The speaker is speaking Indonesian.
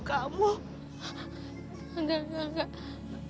enggak enggak enggak